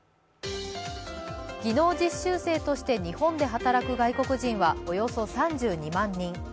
技能実習生として日本で働く外国人はおよそ３２万人。